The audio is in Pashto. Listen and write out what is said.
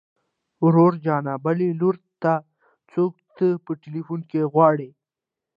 ورور جانه بل لوري ته څوک تا په ټليفون کې غواړي.